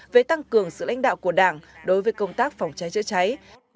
về tăng cường sự lãnh đạo của đảng đối với công tác phòng cháy chữa cháy